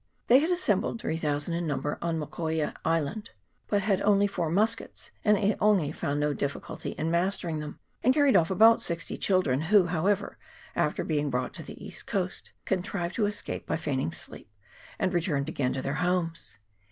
They had assembled, 3000 in number, on Mokoia island, but had only four muskets, and E'Ongi found no difficulty in mastering them, and carried off about sixty children, who, however, after being brought to the east coast, contrived to escape by feigning sleep, and returned again to their homes.